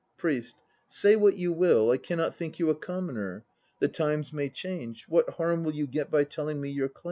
PRIEST. Say what you will, I cannot think you a commoner. The times may change; what harm will you get by telling me your clan?